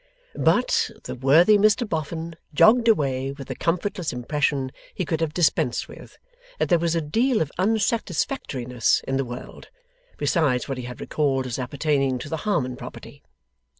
But, the worthy Mr Boffin jogged away with a comfortless impression he could have dispensed with, that there was a deal of unsatisfactoriness in the world, besides what he had recalled as appertaining to the Harmon property.